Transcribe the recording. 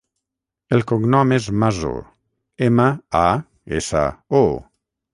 El cognom és Maso: ema, a, essa, o.